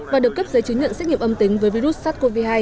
và được cấp giấy chứng nhận xét nghiệm âm tính với virus sars cov hai